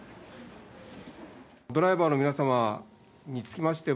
ドライバーの皆様につきましては、